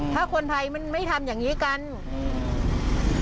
ถ้าคนไทยมันไม่ทำอย่างงี้กันอืม